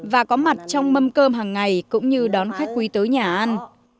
và có mặt trong mâm cơm hàng ngày cũng như đón khách quý tới nhà ăn